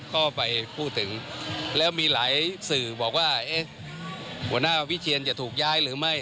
ก็ไปพูดถึงแล้วมีหลายสื่อบอกว่าเอ๊ะหัวหน้าวิเชียนจะถูกย้ายหรือไม่